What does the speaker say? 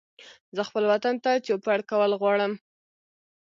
زه خپل وطن ته چوپړ کول غواړم